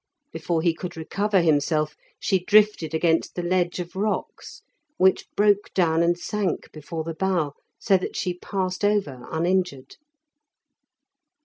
Before he could recover himself, she drifted against the ledge of rocks, which broke down and sank before the bow, so that she passed over uninjured.